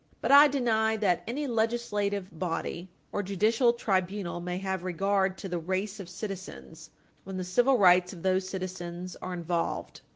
But I deny that any legislative body or judicial tribunal may have regard to the Page 163 U. S. 555 race of citizens when the civil rights of those citizens are involved.